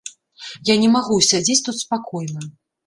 Я не магу ўсядзець тут спакойна.